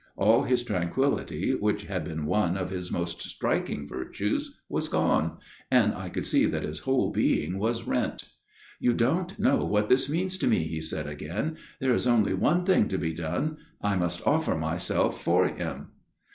All his tranquillity, which had been one of his most striking virtues, was gone, and I could see that his whole being was rent. "' You don't know what this means to me, he said again. ' There is only one thing to be done. I must offer myself for him.'